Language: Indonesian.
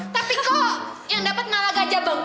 tapi kok yang dapat nalaga aja bengkak